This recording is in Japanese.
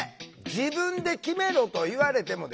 自分で決めろと言われてもですね